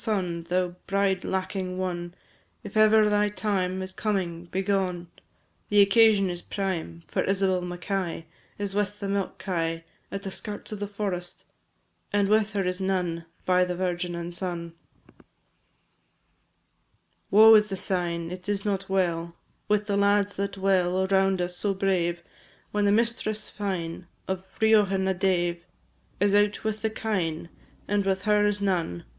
Thou bride lacking one, If ever thy time Is coming, begone, The occasion is prime, For Isabel Mackay Is with the milk kye At the skirts of the forest, And with her is none. By the Virgin and Son, &c. Woe is the sign! It is not well With the lads that dwell Around us, so brave, When the mistress fine Of Riothan a dave Is out with the kine, And with her is none.